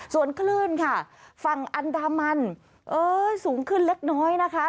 ส่วนคลื่นค่ะฝั่งอันดามันสูงขึ้นเล็กน้อยนะคะ